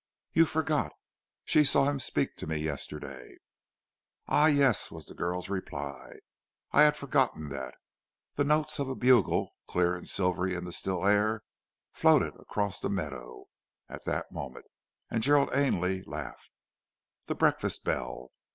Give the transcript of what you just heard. "You forget she saw him speak to me yesterday!" "Ah yes," was the girl's reply. "I had forgotten that." The notes of a bugle, clear and silvery in the still air, floated across the meadow at that moment, and Gerald Ainley laughed. "The breakfast bell!